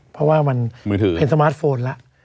เพราะมันเป็นสมาร์ทโฟนละ